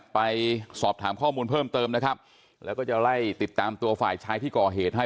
ไปสอบถามข้อมูลเพิ่มเติมนะครับแล้วก็จะไล่ติดตามตัวฝ่ายชายที่ก่อเหตุให้